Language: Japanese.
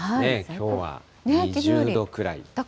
きょうは２０度くらい。